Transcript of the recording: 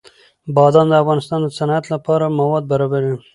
بادام د افغانستان د صنعت لپاره مواد برابروي.